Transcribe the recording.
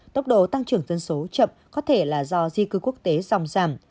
tốc độ tăng trưởng dân số chậm có thể là do di cư quốc tế ròng ràm